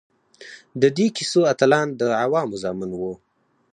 د دې کیسو اتلان د عوامو زامن وو.